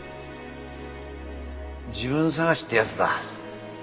自分探しってやつだ。